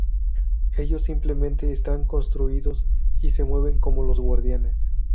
Ellos simplemente están construidos y se mueven como los Guardianes.